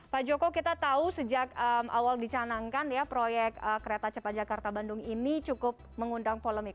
pak joko kita tahu sejak awal dicanangkan ya proyek kereta cepat jakarta bandung ini cukup mengundang polemik